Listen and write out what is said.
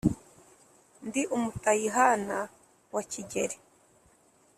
Ndi umutayihana wa Kigeli.